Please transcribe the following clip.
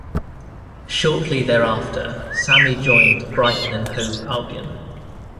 Shortly thereafter Sammy joined Brighton and Hove Albion.